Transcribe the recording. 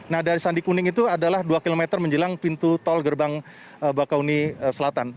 nah dari sandi kuning itu adalah dua km menjelang pintu tol gerbang bakauni selatan